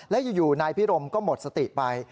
และอยู่นายพิรมก็หมดสติไป